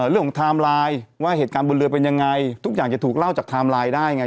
ไทม์ไลน์ว่าเหตุการณ์บนเรือเป็นยังไงทุกอย่างจะถูกเล่าจากไทม์ไลน์ได้ไง